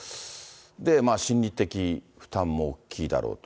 で、まあ、心理的負担も大きいだろうと。